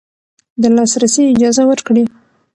د لاسرسي اجازه ورکړي